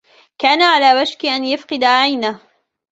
كان على وشك أن يفقد عينه.